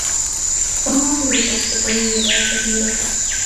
Forman grupos que pueden llegar a ser numerosos.